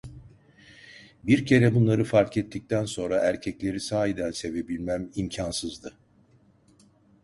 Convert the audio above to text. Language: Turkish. Bir kere bunları fark ettikten sonra erkekleri sahiden sevebilmem imkânsızdı.